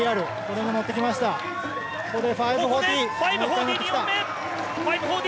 ここで５４０。